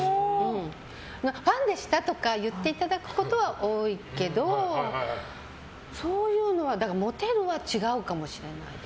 ファンでしたとか言っていただくことは多いけどそういう、モテるとは違うかもしれないかな。